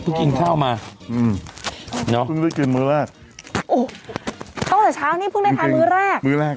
ไหนกินข้าวมาหืมเพิ่งได้กินมื้อแรกโอ้เพิ่งแต่เช้านี่เพิ่งได้ทานมื้อแรก